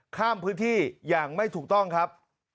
ข้ามพื้นที่อย่างไม่ถูกต้องครับ